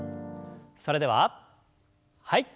それでははい。